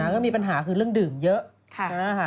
ก็มีปัญหาคือเรื่องดื่มเยอะ